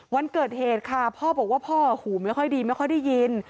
วันเกิดเหตุค่ะพ่อบอกว่าพ่อหูไม่ค่อยดีไม่ค่อยได้ยิน